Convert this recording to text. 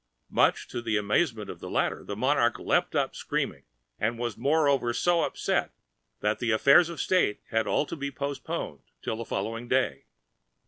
Much to the amazement of the latter, the monarch leapt up screaming, and was moreover so upset, that the affairs of state had all to be postponed till the following day.